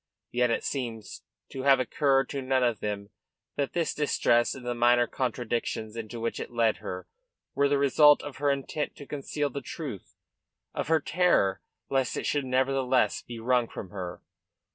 Yet it seems to have occurred to none of them that this distress and the minor contradictions into which it led her were the result of her intent to conceal the truth, of her terror lest it should nevertheless be wrung from her.